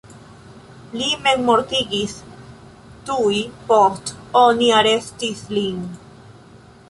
Li memmortigis tuj post oni arestis lin.